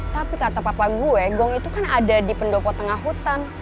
tapi kata papa gue gong itu kan ada di pendopo tengah hutan